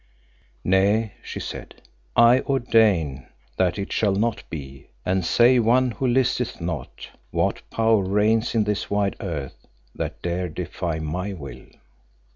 "Nay," she said. "I ordain that it shall not be, and save One who listeth not, what power reigns in this wide earth that dare defy my will?"